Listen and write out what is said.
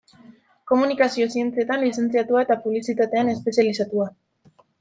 Komunikazio-zientzietan lizentziatua eta publizitatean espezializatua.